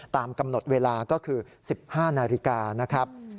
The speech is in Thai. ตามกำหนดเวลาก็คือ๑๕นาฬิกานะครับ